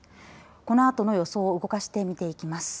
このあとの予想を動かして見ていきます。